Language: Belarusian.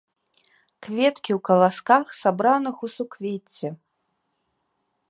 Кветкі ў каласках, сабраных у суквецці.